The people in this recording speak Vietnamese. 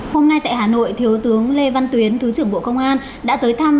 hôm nay tại hà nội thiếu tướng lê văn tuyến thứ trưởng bộ công an đã tới thăm